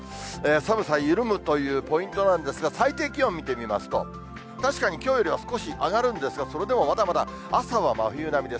寒さ緩むというポイントなんですが、最低気温見てみますと、確かにきょうよりは少し上がるんですが、それでもまだまだ朝は真冬並みです。